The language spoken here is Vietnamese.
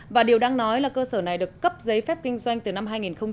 và điều đang nói là cơ sở này được cấp giấy phép kinh doanh từ năm hai nghìn một mươi